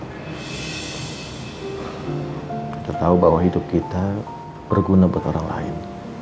kita tahu bahwa hidup kita berguna buat orang lain